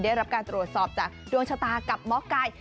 ได้รับการตรวจสอบจากดวงชะตากับหมอไก่